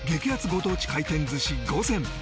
ご当地回転寿司５選